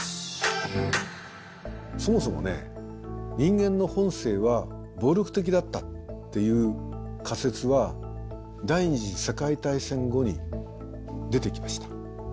そもそもね人間の本性は暴力的だったっていう仮説は第２次世界大戦後に出てきました。